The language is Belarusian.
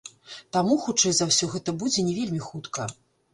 Таму, хутчэй за ўсё, гэта будзе не вельмі хутка.